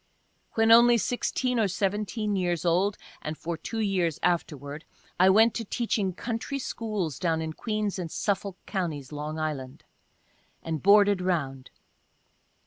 When only sixteen or seventeen years old, and for two years afterward, I went to teaching country schools down in Queens and Suffolk counties, Long Island, and " boarded round."